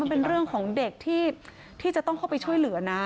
เป็นเรื่องของเด็กที่จะต้องเข้าไปช่วยเหลือนะ